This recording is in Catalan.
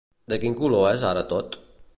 De quin color és ara tot?